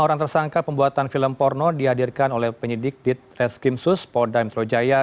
lima orang tersangka pembuatan film porno dihadirkan oleh penyidik ditreskrimsus polda metro jaya